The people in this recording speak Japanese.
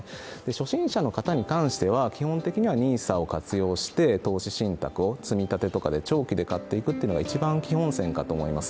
初心者の方に関しては基本的にはＮＩＳＡを活用して投資信託を積み立てとかで長期で買っていくというのが一番基本線かと思います。